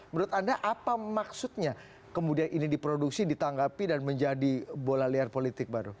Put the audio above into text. menurut anda apa maksudnya kemudian ini diproduksi ditanggapi dan menjadi bola liar politik baru